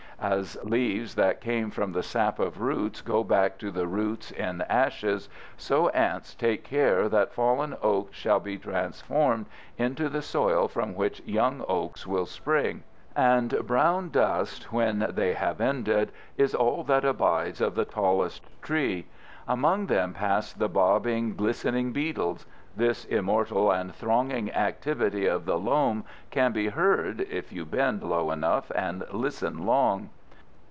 As leaves that came from the sap of roots go back to the roots in ashes, so ants take care that fallen oaks shall be transformed into the soil from which young oaks will spring, and brown dust, when they have ended, is all that abides of the tallest tree. Among them pass the bobbing, glistening beetles. This immortal and thronging activity of the loam can be heard, if you bend low enough and listen long.